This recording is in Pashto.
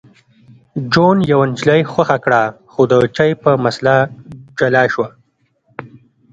جون یوه نجلۍ خوښه کړه خو د چای په مسله جلا شول